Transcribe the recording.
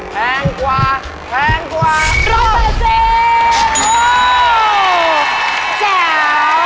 แพงกว่าแพงกว่า๑๐๐เปอร์เซ็นโอ้แจ๋ว